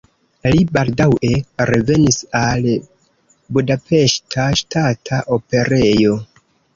Li baldaŭe revenis al Budapeŝta Ŝtata Operejo.